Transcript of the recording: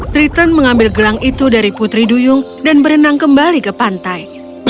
triton mengambil gelang itu dari putri duyung dan berenang kembali ke pantai